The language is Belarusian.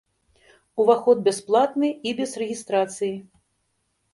Уваход бясплатны і без рэгістрацыі.